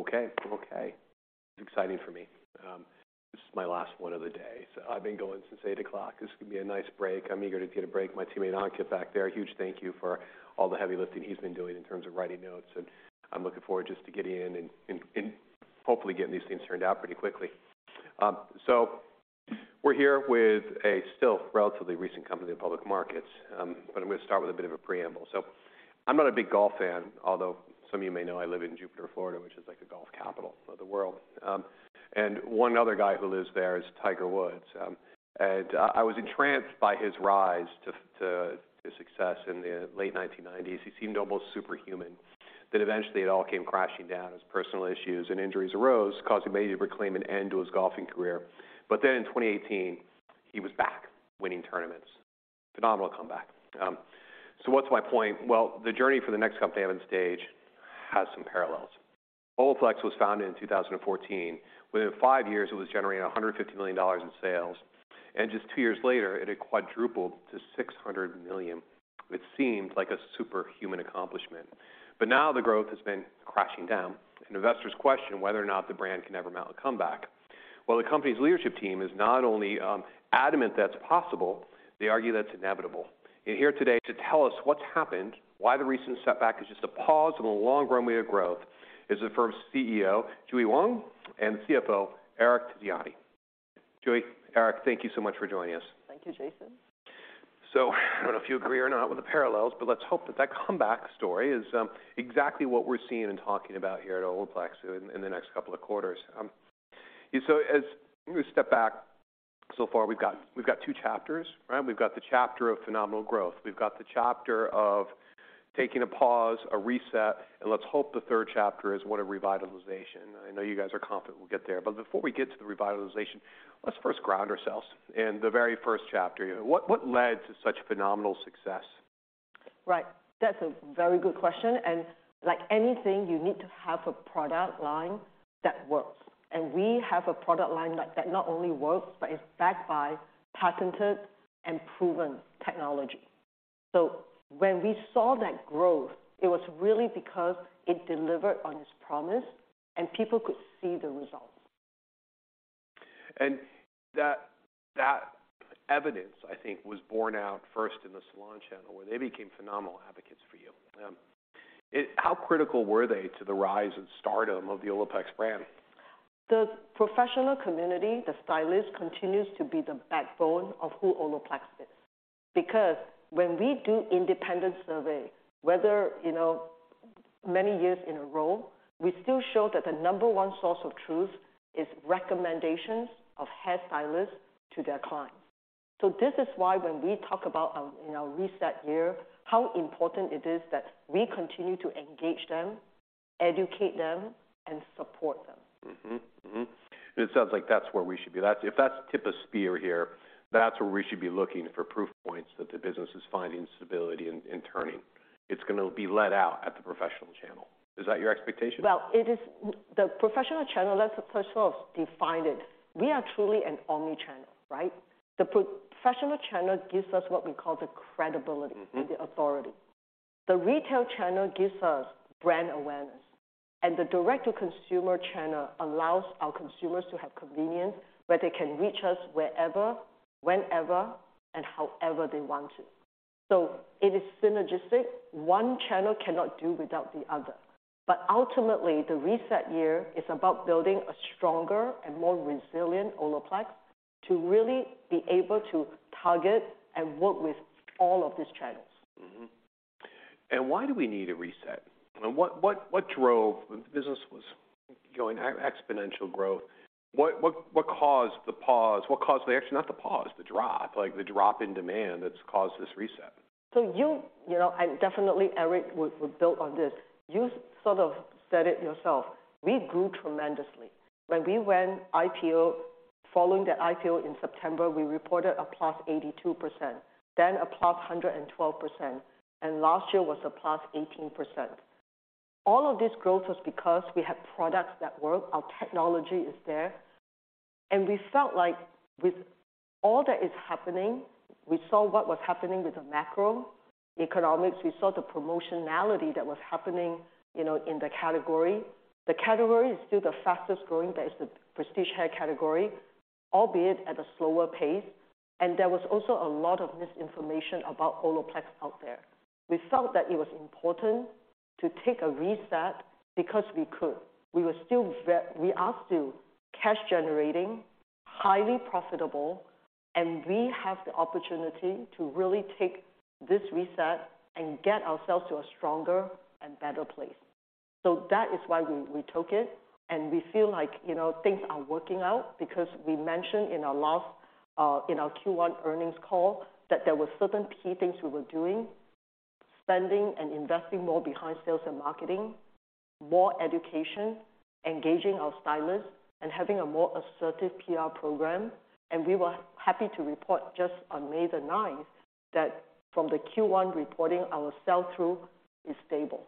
Okay. Okay. Exciting for me. This is my last one of the day. I've been going since 8:00 A.M. This is gonna be a nice break. I'm eager to get a break. My teammate Ankit back there, huge thank you for all the heavy lifting he's been doing in terms of writing notes, and I'm looking forward just to getting in and hopefully getting these things turned out pretty quickly. We're here with a still relatively recent company in public markets. I'm gonna start with a bit of a preamble. I'm not a big golf fan, although some of you may know I live in Jupiter, Florida, which is like the golf capital of the world. One other guy who lives there is Tiger Woods. I was entranced by his rise to success in the late 1990s. He seemed almost superhuman. Eventually it all came crashing down as personal issues and injuries arose, causing him to proclaim an end to his golfing career. In 2018, he was back, winning tournaments. Phenomenal comeback. What's my point? Well, the journey for the next company I'm on stage has some parallels. Olaplex was founded in 2014. Within 5 years, it was generating $150 million in sales, and just 2 years later, it had quadrupled to $600 million, which seemed like a superhuman accomplishment. Now the growth has been crashing down, and investors question whether or not the brand can ever mount a comeback. Well, the company's leadership team is not only, adamant that's possible, they argue that's inevitable. Here today to tell us what's happened, why the recent setback is just a pause on a long runway of growth, is the firm's CEO, JuE Wong, and CFO, Eric Tice. JuE, Eric, thank you so much for joining us. Thank you, Jason. I don't know if you agree or not with the parallels, but let's hope that that comeback story is exactly what we're seeing and talking about here at Olaplex in the next couple of quarters. As we step back, so far we've got two chapters, right? We've got the chapter of phenomenal growth. We've got the chapter of taking a pause, a reset, and let's hope the third chapter is one of revitalization. I know you guys are confident we'll get there. Before we get to the revitalization, let's first ground ourselves in the very first chapter. You know, what led to such phenomenal success? Right. That's a very good question. Like anything, you need to have a product line that works. We have a product line that not only works, but is backed by patented and proven technology. When we saw that growth, it was really because it delivered on its promise and people could see the results. That evidence, I think, was born out first in the salon channel where they became phenomenal advocates for you. How critical were they to the rise and stardom of the Olaplex brand? The professional community, the stylist, continues to be the backbone of who Olaplex is. When we do independent survey, whether, you know, many years in a row, we still show that the number one source of truth is recommendations of hairstylists to their clients. This is why when we talk about our, you know, reset year, how important it is that we continue to engage them, educate them, and support them. Mm-hmm. Mm-hmm. It sounds like that's where we should be. If that's tip of spear here, that's where we should be looking for proof points that the business is finding stability in turning. It's gonna be led out at the professional channel. Is that your expectation? Well, it is the professional channel, let's first of define it. We are truly an omnichannel, right? The professional channel gives us what we call the credibility-. Mm-hmm. The authority. The retail channel gives us brand awareness, and the direct-to-consumer channel allows our consumers to have convenience, where they can reach us wherever, whenever, and however they want to. It is synergistic. One channel cannot do without the other. Ultimately, the reset year is about building a stronger and more resilient Olaplex to really be able to target and work with all of these channels. Mm-hmm. Why do we need a reset? What drove... The business was going exponential growth. What caused the pause? What caused, actually, not the pause, the drop, like the drop in demand that's caused this reset? You, you know, and definitely Eric would build on this, you sort of said it yourself. We grew tremendously. When we went IPO, following the IPO in September, we reported a 82%, then a 112%, and last year was a 18%. All of this growth was because we had products that work, our technology is there, and we felt like with all that is happening, we saw what was happening with the macroeconomics. We saw the promotionality that was happening, you know, in the category. The category is still the fastest growing. That is the prestige hair category, albeit at a slower pace. There was also a lot of misinformation about Olaplex out there. We felt that it was important to take a reset because we could. We are still cash generating, highly profitable, and we have the opportunity to really take this reset and get ourselves to a stronger and better place. That is why we took it, and we feel like, you know, things are working out because we mentioned in our last in our Q1 earnings call that there were certain key things we were doing. Spending and investing more behind sales and marketing, more education, engaging our stylists, and having a more assertive PR program. We were happy to report just on May the 9th that from the Q1 reporting, our sell-through is stable,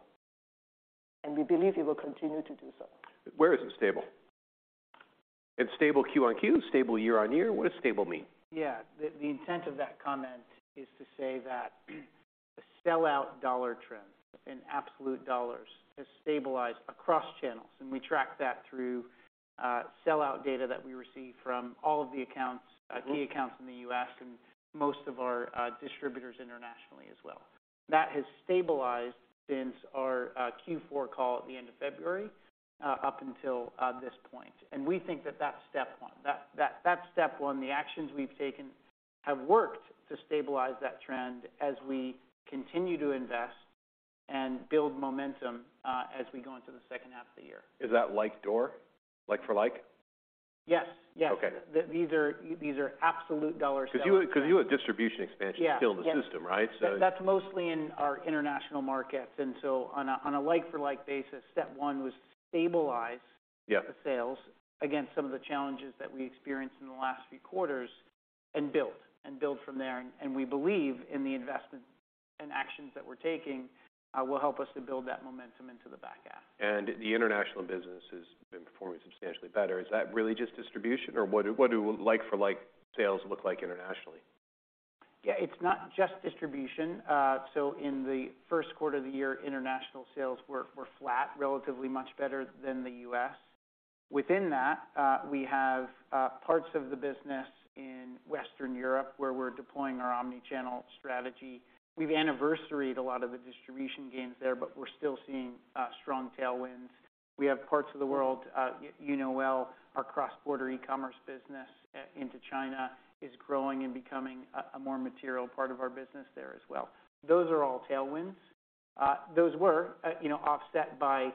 and we believe it will continue to do so. Where is it stable? It's stable Q on Q, stable year on year. What does stable mean? Yeah. The intent of that comment is to say that the sell-out dollar trend in absolute dollars has stabilized across channels, and we track that through sell-out data that we receive from all of the accounts. Mm-hmm. key accounts in the US and most of our distributors internationally as well. That has stabilized since our Q4 call at the end of February up until this point. We think that that's step one. That's step one. The actions we've taken have worked to stabilize that trend as we continue to invest and build momentum as we go into the second half of the year. Is that like door? Like for like? Yes, yes. Okay. These are absolute dollar sales. 'Cause you had distribution expansion. Yeah, yeah. still in the system, right? That's mostly in our international markets. on a like for like basis, step one was stabilize- Yeah. the sales against some of the challenges that we experienced in the last few quarters, and build from there. We believe in the investments and actions that we're taking, will help us to build that momentum into the back half. The international business has been performing substantially better. Is that really just distribution or what do like for like sales look like internationally? It's not just distribution. In the first quarter of the year, international sales were flat, relatively much better than the U.S. Within that, we have parts of the business in Western Europe where we're deploying our omnichannel strategy. We've anniversaried a lot of the distribution gains there, but we're still seeing strong tailwinds. We have parts of the world, you know well, our cross-border e-commerce business into China is growing and becoming a more material part of our business there as well. Those are all tailwinds. Those were, you know, offset by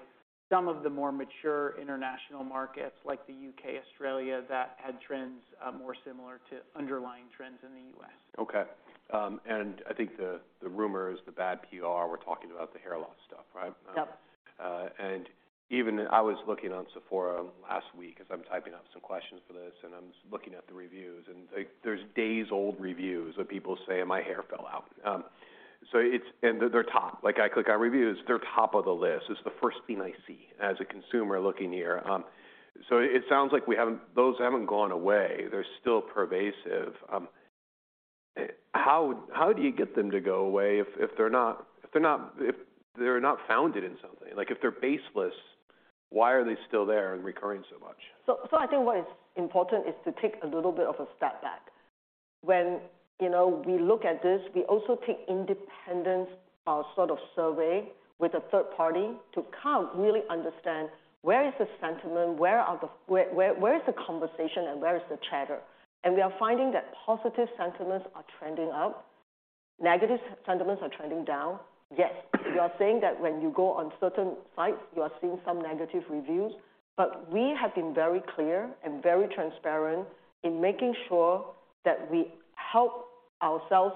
some of the more mature international markets like the U.K., Australia, that had trends more similar to underlying trends in the U.S. Okay. I think the rumors, the bad PR, we're talking about the hair loss stuff, right? Yep. Even I was looking on Sephora last week as I'm typing up some questions for this, and I'm just looking at the reviews, and like, there's days old reviews where people say, "My hair fell out." So it's. They're top. Like I click on reviews, they're top of the list. It's the first thing I see as a consumer looking here. It sounds like those haven't gone away. They're still pervasive. How do you get them to go away if they're not founded in something? Like, if they're baseless, why are they still there and recurring so much? I think what is important is to take a little bit of a step back. you know, we look at this, we also take independent, sort of survey with a third party to kind of really understand where is the sentiment, where is the conversation and where is the chatter? We are finding that positive sentiments are trending up. Negative sentiments are trending down. Yes, you are saying that when you go on certain sites, you are seeing some negative reviews. We have been very clear and very transparent in making sure that we help ourselves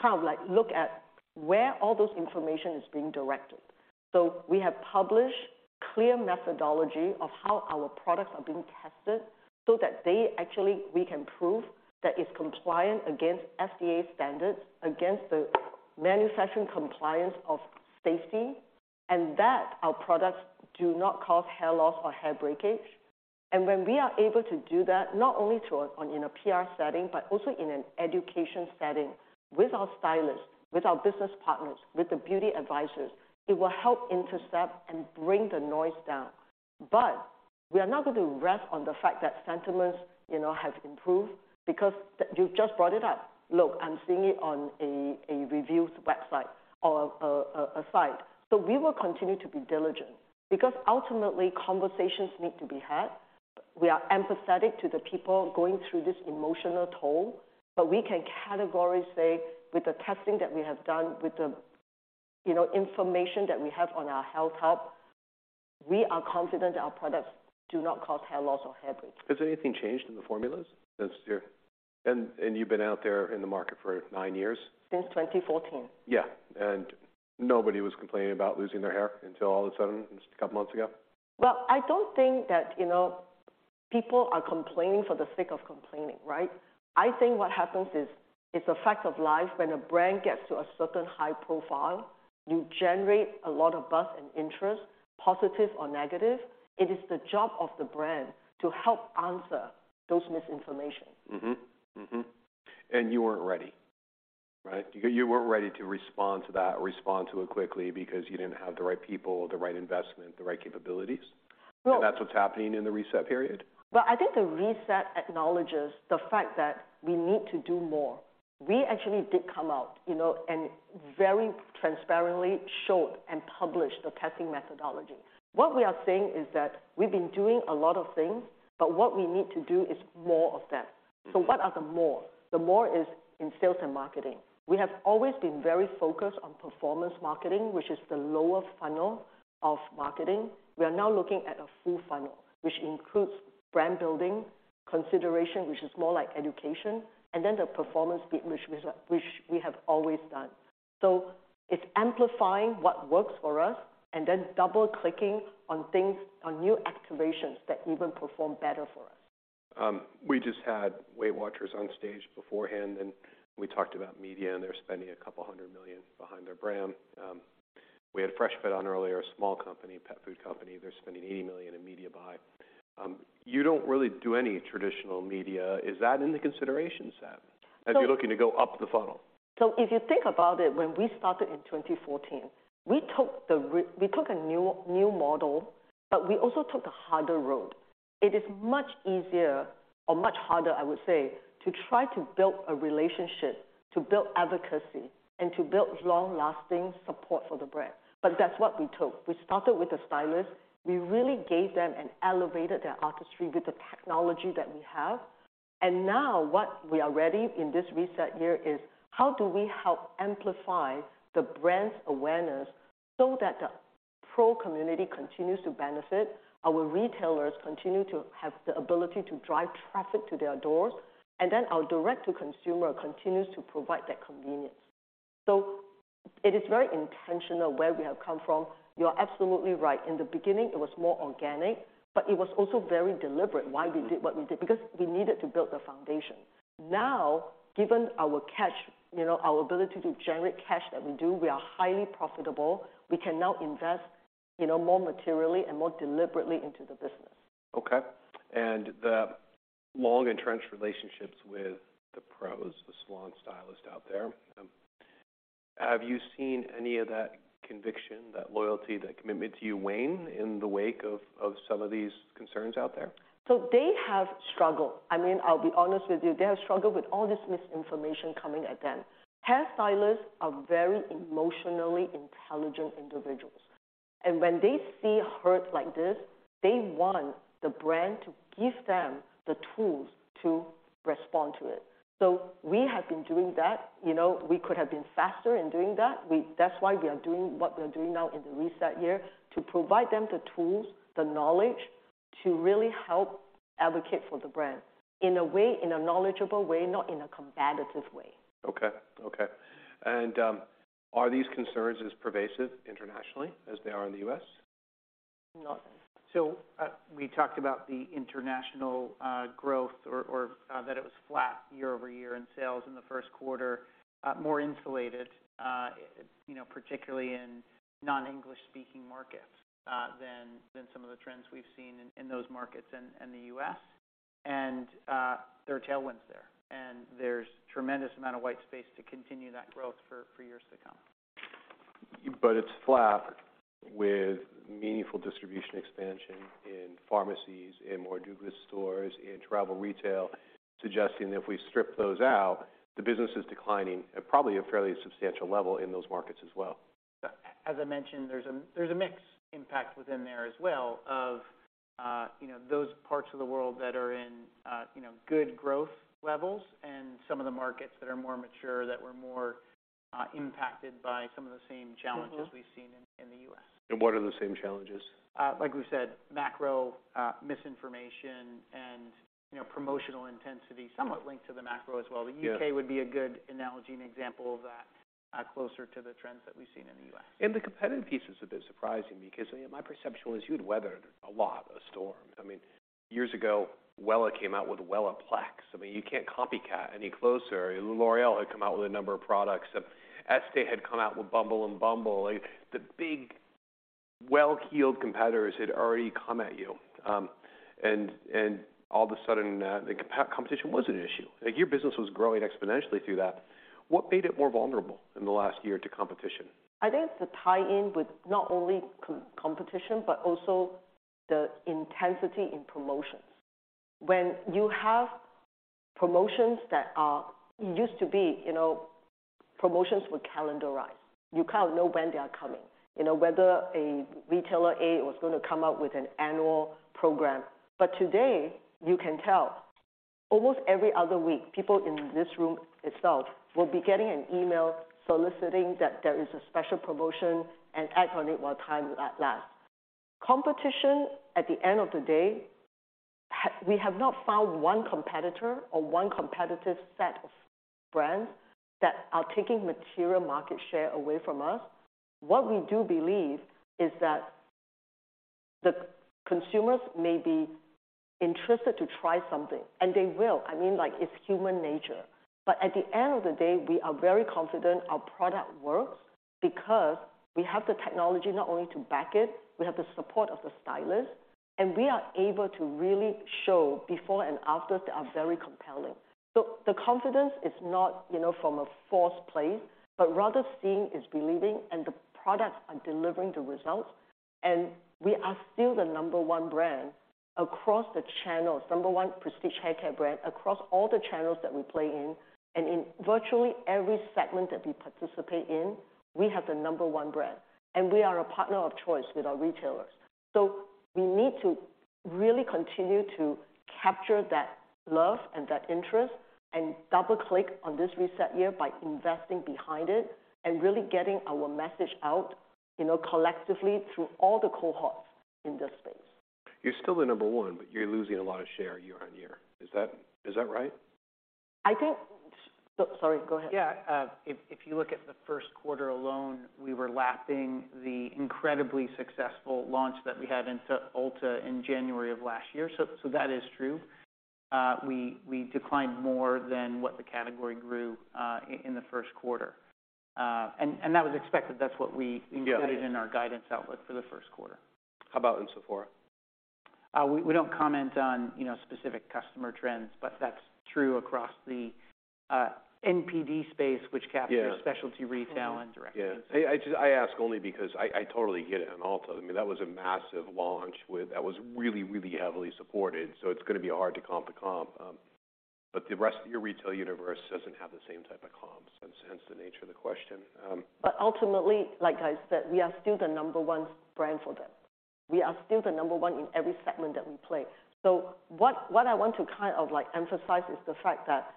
kind of like look at where all those information is being directed. We have published clear methodology of how our products are being tested so that they actually we can prove that it's compliant against FDA standards, against the manufacturing compliance of safety, and that our products do not cause hair loss or hair breakage. When we are able to do that, not only through on a PR setting, but also in an education setting with our stylists, with our business partners, with the beauty advisors, it will help intercept and bring the noise down. We are not going to rest on the fact that sentiments, you know, have improved because you've just brought it up. Look, I'm seeing it on a reviews website or a site. We will continue to be diligent because ultimately conversations need to be had. We are empathetic to the people going through this emotional toll, but we can categorically say with the testing that we have done, with the, you know, information that we have on our health hub, we are confident our products do not cause hair loss or hair breakage. Has anything changed in the formulas? You've been out there in the market for nine years. Since 2014. Yeah. Nobody was complaining about losing their hair until all of a sudden just a couple months ago. Well, I don't think that, you know, people are complaining for the sake of complaining, right? I think what happens is, it's a fact of life when a brand gets to a certain high profile, you generate a lot of buzz and interest, positive or negative. It is the job of the brand to help answer those misinformation. Mm-hmm. Mm-hmm. You weren't ready, right? You weren't ready to respond to that or respond to it quickly because you didn't have the right people, the right investment, the right capabilities. Well- That's what's happening in the reset period? I think the reset acknowledges the fact that we need to do more. We actually did come out, you know, and very transparently showed and published the testing methodology. What we are saying is that we've been doing a lot of things, but what we need to do is more of that. Mm-hmm. What are the more? The more is in sales and marketing. We have always been very focused on performance marketing, which is the lower funnel of marketing. We are now looking at a full funnel, which includes brand building, consideration, which is more like education, and then the performance bit, which we have always done. It's amplifying what works for us and then double-clicking on things, on new activations that even perform better for us. We just had WW on stage beforehand. We talked about media. They're spending $a couple hundred million behind their brand. We had Freshpet on earlier, a small company, pet food company. They're spending $80 million in media buy. You don't really do any traditional media. Is that in the consideration set? So- As you're looking to go up the funnel? If you think about it, when we started in 2014, we took a new model, but we also took the harder road. It is much easier or much harder, I would say, to try to build a relationship, to build advocacy, and to build long-lasting support for the brand. That's what we took. We started with the stylist. We really gave them and elevated their artistry with the technology that we have. Now what we are ready in this reset year is how do we help amplify the brand's awareness so that the pro community continues to benefit, our retailers continue to have the ability to drive traffic to their doors, and then our direct-to-consumer continues to provide that convenience. It is very intentional where we have come from. You are absolutely right. In the beginning, it was more organic, but it was also very deliberate why we did what we did, because we needed to build the foundation. Now, given our cash, you know, our ability to generate cash that we do, we are highly profitable. We can now invest, you know, more materially and more deliberately into the business. Okay. The long entrenched relationships with the pros, the salon stylists out there, have you seen any of that conviction, that loyalty, that commitment to you wane in the wake of some of these concerns out there? They have struggled. I mean, I'll be honest with you, they have struggled with all this misinformation coming at them. Hairstylists are very emotionally intelligent individuals, and when they see hurt like this, they want the brand to give them the tools to respond to it. We have been doing that. You know, we could have been faster in doing that. That's why we are doing what we are doing now in the reset year, to provide them the tools, the knowledge to really help advocate for the brand in a way, in a knowledgeable way, not in a combative way. Okay. Okay. Are these concerns as pervasive internationally as they are in the U.S.? Not. We talked about the international growth or that it was flat year-over-year in sales in the first quarter, more insulated, you know, particularly in non-English-speaking markets, than some of the trends we've seen in those markets and the U.S. There are tailwinds there, and there's tremendous amount of white space to continue that growth for years to come. It's flat with meaningful distribution expansion in pharmacies, in more Douglas stores, in travel retail, suggesting if we strip those out, the business is declining at probably a fairly substantial level in those markets as well. As I mentioned, there's a mix impact within there as well of, you know, those parts of the world that are in, you know, good growth levels and some of the markets that are more mature that were more, impacted by some of the same challenges we've seen in the U.S. What are the same challenges? Like we said, macro, misinformation and, you know, promotional intensity, somewhat linked to the macro as well. Yeah. The U.K. would be a good analogy and example of that, closer to the trends that we've seen in the U.S. The competitive piece is a bit surprising because my perception was you had weathered a lot of storm. I mean, years ago, Wella came out with Wellaplex. I mean, you can't copycat any closer. L'Oréal had come out with a number of products. Este`e Lauder had come out with Bumble and bumble. Like, the big, well-heeled competitors had already come at you, and all of a sudden, the competition was an issue. Like, your business was growing exponentially through that. What made it more vulnerable in the last year to competition? I think to tie in with not only competition, but also the intensity in promotions. When you have promotions, it used to be, you know, promotions were calendarized. You kind of know when they are coming, you know, whether a retailer A was gonna come out with an annual program. Today, you can tell almost every other week, people in this room itself will be getting an email soliciting that there is a special promotion and act on it while time lasts. Competition, at the end of the day, we have not found one competitor or one competitive set of brands that are taking material market share away from us. What we do believe is that the consumers may be interested to try something, and they will. I mean, like, it's human nature. At the end of the day, we are very confident our product works because we have the technology not only to back it, we have the support of the stylist, and we are able to really show before and afters that are very compelling. The confidence is not, you know, from a forced place, but rather seeing is believing and the products are delivering the results. We are still the number one brand across the channels, number one prestige haircare brand across all the channels that we play in. In virtually every segment that we participate in, we have the number one brand, and we are a partner of choice with our retailers. We need to really continue to capture that love and that interest and double-click on this reset year by investing behind it and really getting our message out, you know, collectively through all the cohorts in this space. You're still the number one, but you're losing a lot of share year-on-year. Is that, is that right? Sorry, go ahead. Yeah. If you look at the first quarter alone, we were lapping the incredibly successful launch that we had into Ulta in January of last year. That is true. We declined more than what the category grew in the first quarter. That was expected. Yeah. Included in our guidance outlook for the first quarter. How about in Sephora? We don't comment on, you know, specific customer trends, but that's true across the Circana space, which captures. Yeah. specialty retail and direct. Yeah. I ask only because I totally get it on Ulta. I mean, that was a massive launch with. That was really heavily supported, so it's gonna be hard to comp. The rest of your retail universe doesn't have the same type of comps, and hence the nature of the question. Ultimately, like I said, we are still the number one brand for them. We are still the number one in every segment that we play. What I want to kind of like emphasize is the fact that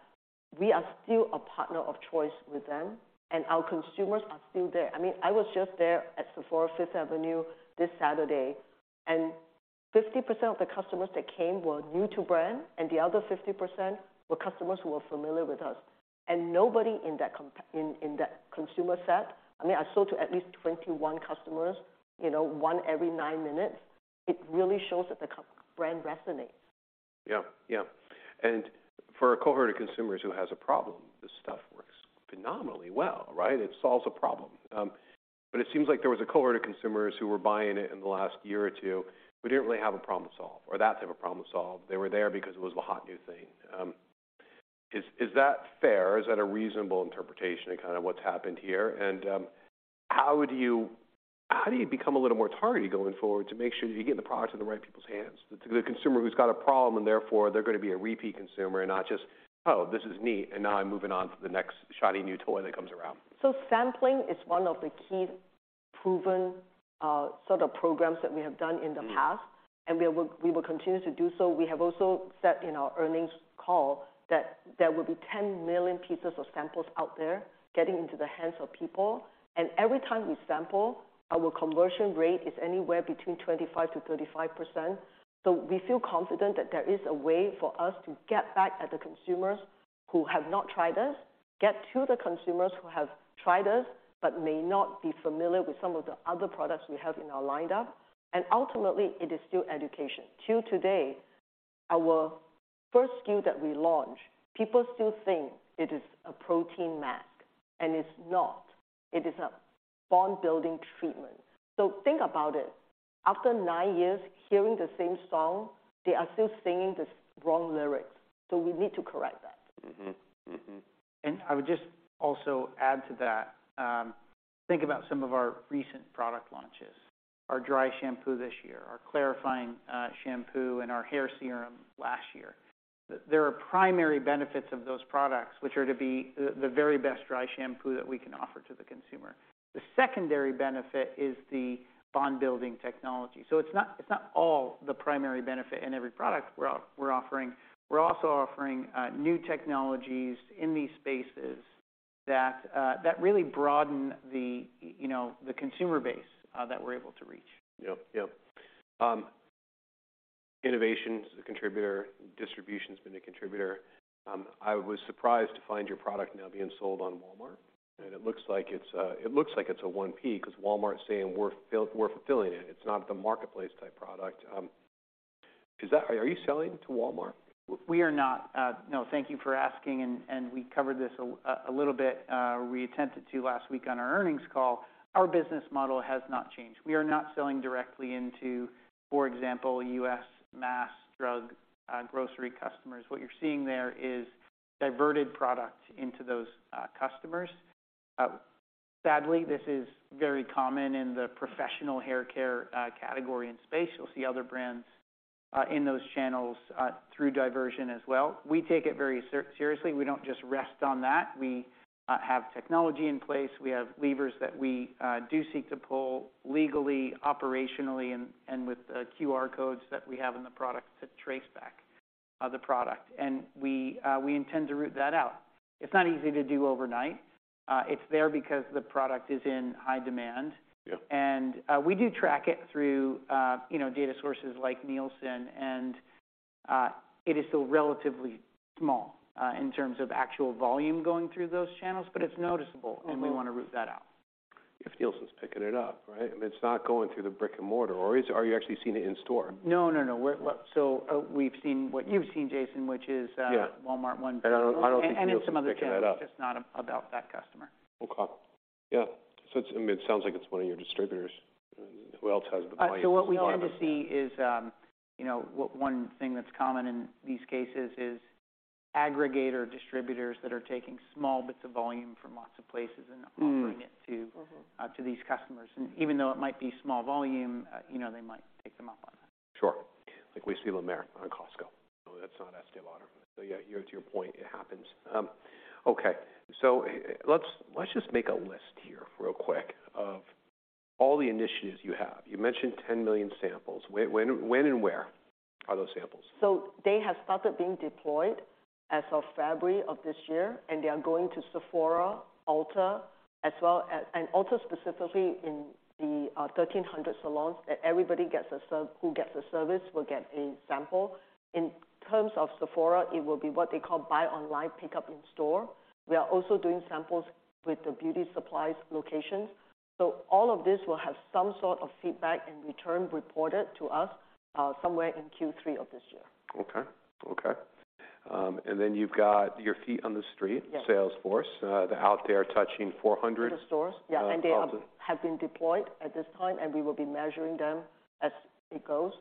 we are still a partner of choice with them, and our consumers are still there. I mean, I was just there at Sephora Fifth Avenue this Saturday. 50% of the customers that came were new to brand. The other 50% were customers who were familiar with us. Nobody in that consumer set, I mean, I sold to at least 21 customers, you know, one every 9 minutes. It really shows that the co- brand resonates. Yeah. Yeah. For a cohort of consumers who has a problem, this stuff works phenomenally well, right? It solves a problem. It seems like there was a cohort of consumers who were buying it in the last year or two who didn't really have a problem solved or that type of problem solved. They were there because it was the hot new thing. Is that fair? Is that a reasonable interpretation of kinda what's happened here? How do you become a little more targeted going forward to make sure that you're getting the product in the right people's hands, the consumer who's got a problem, and therefore they're gonna be a repeat consumer and not just, "Oh, this is neat, and now I'm moving on to the next shiny new toy that comes around"? Sampling is one of the key proven, sort of programs that we have done in the past. Mm-hmm. We will continue to do so. We have also said in our earnings call that there will be 10 million pieces of samples out there getting into the hands of people. Every time we sample, our conversion rate is anywhere between 25%-35%. We feel confident that there is a way for us to get back at the consumers who have not tried us, get to the consumers who have tried us but may not be familiar with some of the other products we have in our lineup. Ultimately, it is still education. Till today, our first SKU that we launched, people still think it is a protein mask, and it's not. It is a bond-building treatment. Think about it. After 9 years hearing the same song, they are still singing the wrong lyrics. We need to correct that. Mm-hmm. Mm-hmm. I would just also add to that, think about some of our recent product launches, our dry shampoo this year, our clarifying shampoo, and our hair serum last year. There are primary benefits of those products, which are to be the very best dry shampoo that we can offer to the consumer. The secondary benefit is the bond-building technology. It's not all the primary benefit in every product we're offering. We're also offering new technologies in these spaces that really broaden the, you know, the consumer base that we're able to reach. Yep. Yep. Innovation's a contributor. Distribution's been a contributor. I was surprised to find your product now being sold on Walmart. It looks like it's a 1P 'cause Walmart's saying, "We're fulfilling it." It's not the marketplace type product. Are you selling to Walmart? We are not. No. Thank you for asking, and we covered this a little bit, or we attempted to last week on our earnings call. Our business model has not changed. We are not selling directly into, for example, U.S. mass drug grocery customers. What you're seeing there is diverted product into those customers. Sadly, this is very common in the professional haircare category and space. You'll see other brands in those channels through diversion as well. We take it very seriously. We don't just rest on that. We have technology in place. We have levers that we do seek to pull legally, operationally, and with QR codes that we have in the product to trace back the product, and we intend to root that out. It's not easy to do overnight. It's there because the product is in high demand. Yep. we do track it through, you know, data sources like Nielsen, and it is still relatively small, in terms of actual volume going through those channels. Mm-hmm. we wanna root that out. If Nielsen's picking it up, right? I mean, it's not going through the brick-and-mortar, or is it? Are you actually seeing it in store? No, no. Well, we've seen what you've seen, Jason, which is. Yeah. Walmart 1P. I don't think Nielsen's picking that up. In some other channels, just not about that customer. Okay. Yeah. I mean, it sounds like it's one of your distributors. Who else has the volume to buy that much? What we often see is, you know, one thing that's common in these cases is aggregator distributors that are taking small bits of volume from lots of places and offering it to. Mm. Mm-hmm. to these customers. Even though it might be small volume, you know, they might take them up on that. Sure. Like we see La Mer on Costco. No, that's not Estée Lauder. Yeah, your, to your point, it happens. Okay, let's just make a list here real quick of all the initiatives you have. You mentioned 10 million samples. When and where are those samples? They have started being deployed as of February of this year, and they are going to Sephora, Ulta as well as Ulta specifically in the 1,300 salons. Everybody who gets a service will get a sample. In terms of Sephora, it will be what they call buy online, pickup in store. We are also doing samples with the beauty supplies locations. All of this will have some sort of feedback and return reported to us somewhere in Q3 of this year. Okay. Okay. You've got your feet on the street. Yes. sales force, they're out there touching. In the stores. Yeah. -stores. They have been deployed at this time, and we will be measuring them as it goes.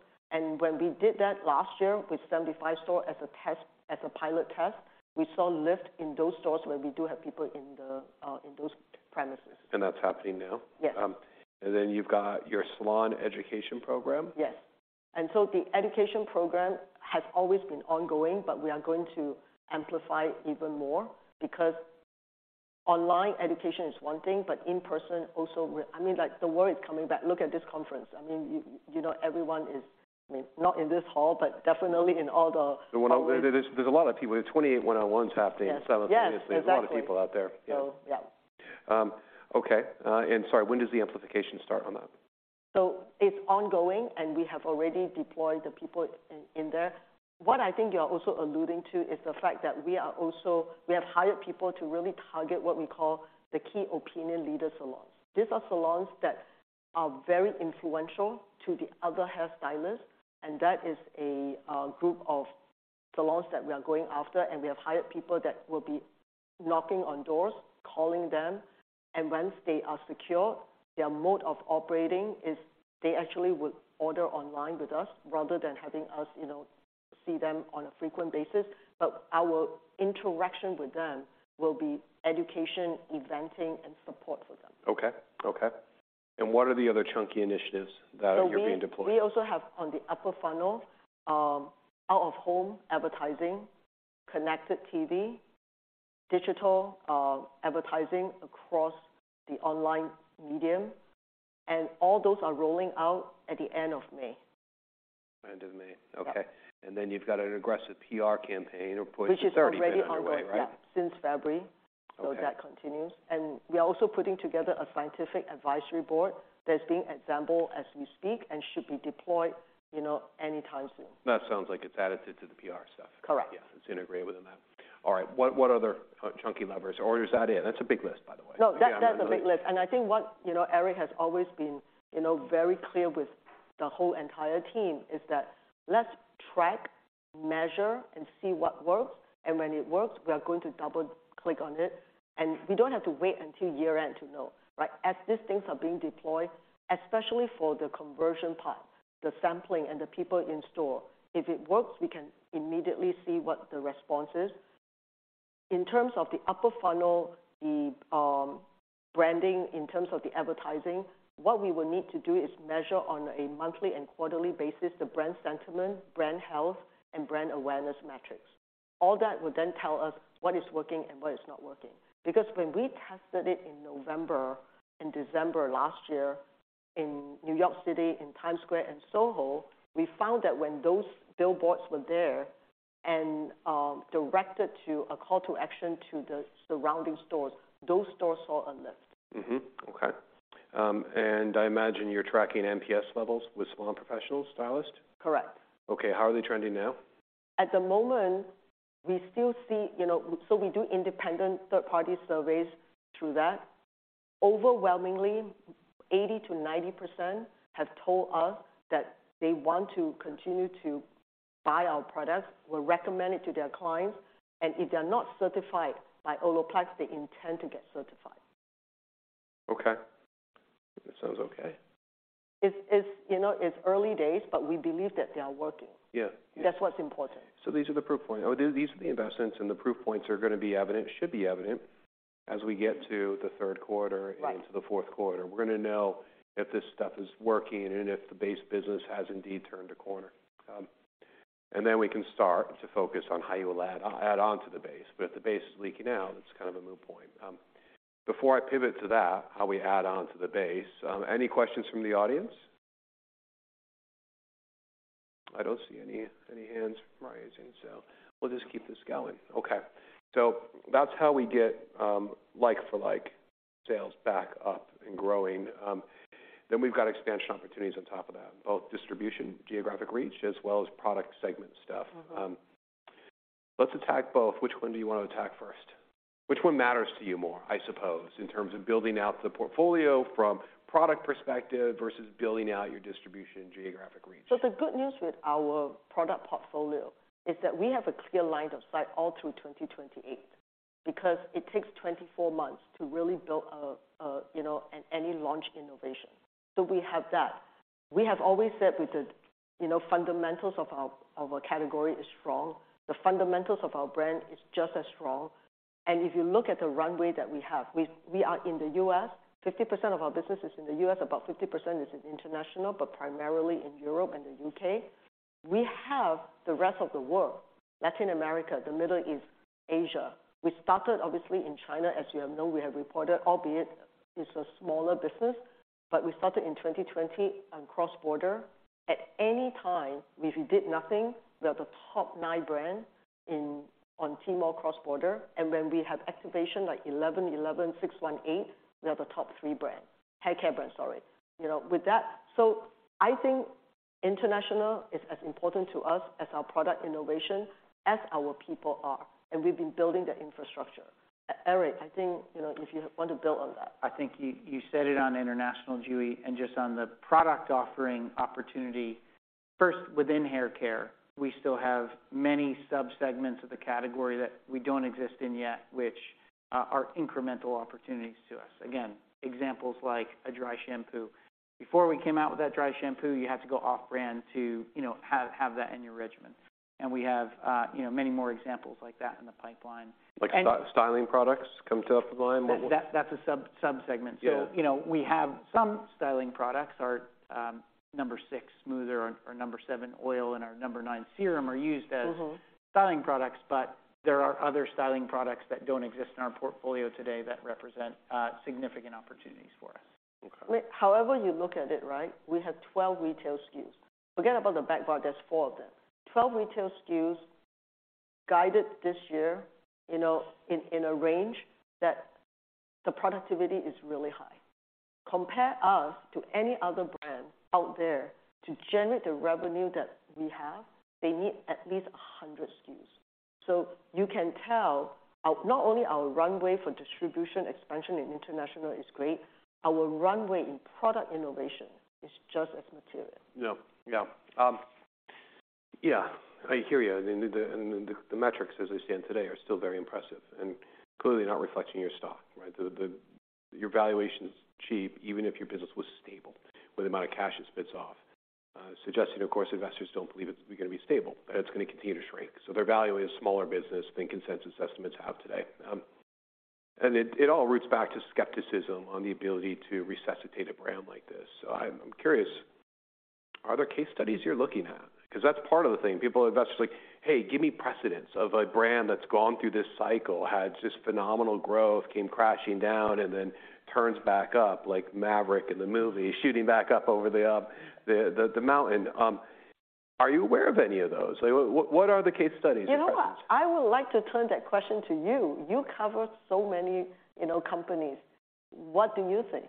When we did that last year with 75 store as a test, as a pilot test, we saw lift in those stores where we do have people in the, in those premises. That's happening now? Yes. You've got your salon education program. Yes. The education program has always been ongoing, but we are going to amplify even more because online education is one thing, but in person also I mean, like, the world is coming back. Look at this conference. I mean, you know, everyone is, I mean, not in this hall, but definitely in all the hallways. There's a lot of people. There's 28 one-on-ones happening simultaneously. Yes. Yes, exactly. There's a lot of people out there. Yeah. Okay. Sorry, when does the amplification start on that? It's ongoing, and we have already deployed the people in there. What I think you're also alluding to is the fact that we have hired people to really target what we call the key opinion leader salons. These are salons that are very influential to the other hairstylists, that is a group of salons that we are going after, and we have hired people that will be knocking on doors, calling them. Once they are secure, their mode of operating is they actually would order online with us rather than having us, you know, see them on a frequent basis. Our interaction with them will be education, eventing, and support for them. Okay. Okay. What are the other chunky initiatives that are being deployed? We also have on the upper funnel, out-of-home advertising, connected TV, digital advertising across the online medium, and all those are rolling out at the end of May. End of May. Okay. Yeah. You've got an aggressive PR campaign or push that's already underway, right? Which has been ongoing, yeah, since February. Okay. That continues. We are also putting together a scientific advisory board that's being assembled as we speak and should be deployed, you know, anytime soon. That sounds like it's added to the P.R. stuff. Correct. Yeah. It's integrated with that. All right. What other chunky levers, or is that it? That's a big list, by the way. No, that's a big list. I think what, you know, Eric has always been, you know, very clear with the whole entire team is that let's track, measure, and see what works. When it works, we are going to double click on it. We don't have to wait until year-end to know, right? As these things are being deployed, especially for the conversion part, the sampling and the people in store, if it works, we can immediately see what the response is. In terms of the upper funnel, the branding, in terms of the advertising, what we will need to do is measure on a monthly and quarterly basis the brand sentiment, brand health, and brand awareness metrics. All that will then tell us what is working and what is not working. When we tested it in November and December last year in New York City, in Times Square and Soho, we found that when those billboards were there and directed to a call to action to the surrounding stores, those stores saw a lift. Okay. I imagine you're tracking NPS levels with salon professional stylists? Correct. Okay. How are they trending now? At the moment, we still see, you know, we do independent third-party surveys through that. Overwhelmingly, 80%-90% have told us that they want to continue to buy our products. Will recommend it to their clients, and if they're not certified by Olaplex, they intend to get certified. Okay. That sounds okay. It's, you know, it's early days, but we believe that they are working. Yeah. That's what's important. These are the proof points. These are the investments, and the proof points are gonna be evident, should be evident as we get to the third quarter. Right. -into the fourth quarter. We're gonna know if this stuff is working and if the base business has indeed turned a corner. We can start to focus on how you will add on to the base. If the base is leaking out, it's kind of a moot point. Before I pivot to that, how we add on to the base, any questions from the audience? I don't see any hands rising, we'll just keep this going. Okay. That's how we get like for like sales back up and growing. We've got expansion opportunities on top of that, both distribution, geographic reach, as well as product segment stuff. Mm-hmm. Let's attack both. Which one do you wanna attack first? Which one matters to you more, I suppose, in terms of building out the portfolio from product perspective versus building out your distribution geographic reach? The good news with our product portfolio is that we have a clear line of sight all through 2028 because it takes 24 months to really build a, you know, any launch innovation. We have that. We have always said with the, you know, fundamentals of our, of our category is strong. The fundamentals of our brand is just as strong. If you look at the runway that we have, we are in the U.S. 50% of our business is in the U.S., about 50% is in international, but primarily in Europe and the U.K. We have the rest of the world, Latin America, the Middle East, Asia. We started obviously in China, as you know, we have reported, albeit it's a smaller business, but we started in 2020 on cross-border. At any time, if we did nothing, we are the top nine brand on Tmall cross-border, and when we have activation like 11.11, 618, we are the top three brands. Haircare brands, sorry. You know, I think international is as important to us as our product innovation, as our people are, and we've been building the infrastructure. Eric, I think, you know, if you want to build on that. I think you said it on international, JuE, just on the product offering opportunity. First, within haircare, we still have many sub-segments of the category that we don't exist in yet, which are incremental opportunities to us. Again, examples like a dry shampoo. Before we came out with that dry shampoo, you had to go off-brand to, you know, have that in your regimen. We have, you know, many more examples like that in the pipeline. Like, styling products come to top of mind? That's a sub-segment. Yeah. you know, we have some styling products. Our, Nº.6 Bond Smoother or Nº.7 Bonding Oil and our Nº.9 Bond Protector Nourishing Hair Serum are used. Mm-hmm ...styling products, but there are other styling products that don't exist in our portfolio today that represent significant opportunities for us. Okay. However you look at it, right, we have 12 retail SKUs. Forget about the back bar, there's four of them. 12 retail SKUs guided this year, you know, in a range that the productivity is really high. Compare us to any other brand out there. To generate the revenue that we have, they need at least 100 SKUs. You can tell not only our runway for distribution expansion in international is great, our runway in product innovation is just as material. Yeah. Yeah. Yeah, I hear you. The metrics as they stand today are still very impressive and clearly not reflecting your stock, right? Your valuation's cheap, even if your business was stable with the amount of cash it spits off. Suggesting, of course, investors don't believe it's gonna be stable, that it's gonna continue to shrink. They're valuing a smaller business than consensus estimates have today. It, it all roots back to skepticism on the ability to resuscitate a brand like this. I'm curious, are there case studies you're looking at? 'Cause that's part of the thing. People, investors are like, "Hey, give me precedents of a brand that's gone through this cycle, had just phenomenal growth, came crashing down, and then turns back up like Maverick in the movie, shooting back up over the mountain." Are you aware of any of those? Like, what are the case studies or precedents? You know what? I would like to turn that question to you. You cover so many, you know, companies. What do you think?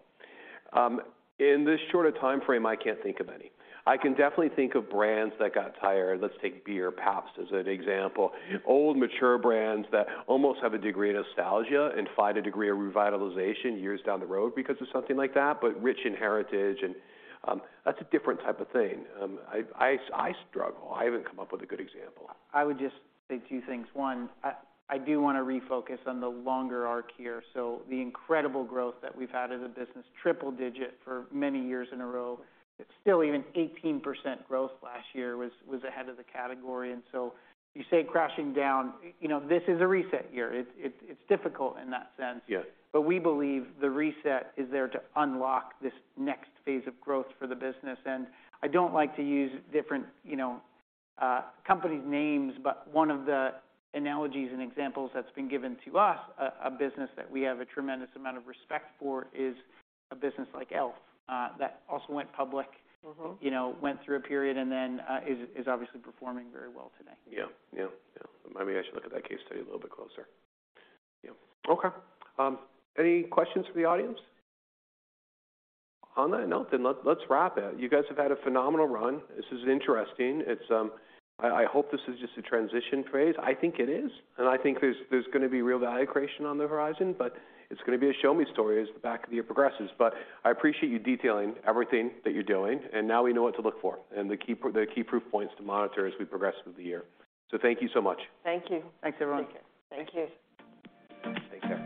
In this short a timeframe, I can't think of any. I can definitely think of brands that got tired. Let's take beer, Pabst, as an example. Old, mature brands that almost have a degree of nostalgia and find a degree of revitalization years down the road because of something like that, but rich in heritage and, that's a different type of thing. I struggle. I haven't come up with a good example. I would just say two things. One, I do wanna refocus on the longer arc here. The incredible growth that we've had as a business, triple digit for many years in a row. Still, even 18% growth last year was ahead of the category. You say crashing down, you know, this is a reset year. It's difficult in that sense. Yes. We believe the reset is there to unlock this next phase of growth for the business. I don't like to use different, you know, company names, but one of the analogies and examples that's been given to us, a business that we have a tremendous amount of respect for, is a business like e.l.f., that also went public. Mm-hmm. You know, went through a period and then, is obviously performing very well today. Yeah. Yeah. Yeah. Maybe I should look at that case study a little bit closer. Yeah. Okay. Any questions from the audience? On that note, let's wrap it. You guys have had a phenomenal run. This is interesting. It's... I hope this is just a transition phase. I think it is, and I think there's gonna be real value creation on the horizon, but it's gonna be a show-me story as the back of the year progresses. I appreciate you detailing everything that you're doing, and now we know what to look for and the key proof points to monitor as we progress through the year. Thank you so much. Thank you. Thanks, everyone. Thank you. Thanks. Take care.